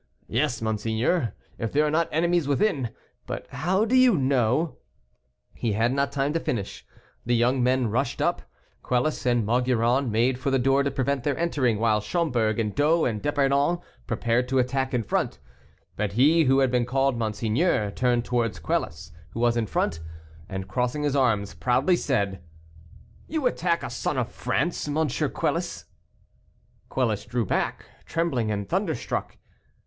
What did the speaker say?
"Yes, monseigneur, if there are not enemies within; but how do you know " He had not time to finish. The young men rushed up; Quelus and Maugiron made for the door to prevent their entering, while Schomberg, D'O, and D'Epernon prepared to attack in front. But he who had been called monseigneur turned towards Quelus, who was in front, and crossing his arms proudly, said: "You attack a son of France, M. Quelus!" Quelus drew back, trembling, and thunderstruck.